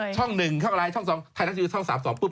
ช่อง๑ช่องอะไรช่อง๒ช่อง๓ช่อง๒ปุ๊บ